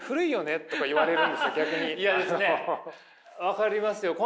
分かりますよ。